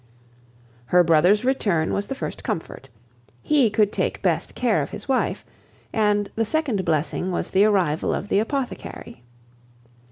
Her brother's return was the first comfort; he could take best care of his wife; and the second blessing was the arrival of the apothecary.